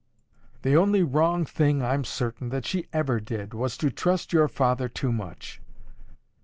The only wrong thing, I'm certain, that she ever did, was to trust your father too much.